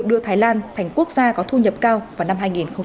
đưa thái lan thành quốc gia có thu nhập cao vào năm hai nghìn hai mươi